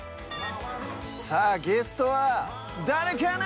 さぁゲストは誰かな⁉